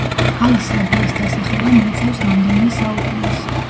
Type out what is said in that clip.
ალი-საბიეს დასახლება მოიცავს რამდენიმე საუკუნეს.